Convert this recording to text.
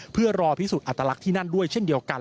เพื่อรอพิสูจน์อัตลักษณ์ที่นั่นด้วยเช่นเดียวกัน